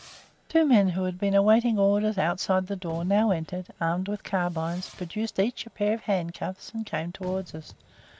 "Two men who had been awaiting orders outside the door now entered, armed with carbines, produced each a pair of handcuffs, and came towards us.